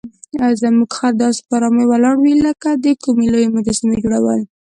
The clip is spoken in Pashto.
زموږ خر داسې په آرامۍ ولاړ وي لکه د کومې لویې مجسمې جوړول.